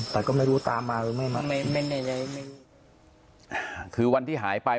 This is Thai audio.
แต่ก็ไม่รู้ตามมาหรือไม่มาไม่ไม่ได้เลยคือวันที่หายไป